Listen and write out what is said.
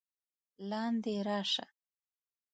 لاندې راشه!